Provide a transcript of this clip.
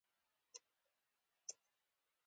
هلکانو نوم رڼا وي